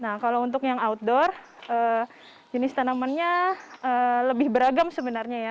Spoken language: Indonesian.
nah kalau untuk yang outdoor jenis tanamannya lebih beragam sebenarnya ya